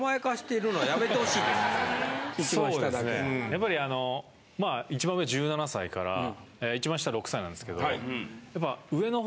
やっぱりあの一番上１７歳から一番下６歳なんですけどやっぱ。